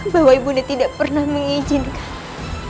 bahwa ibu ini tidak pernah mengizinkan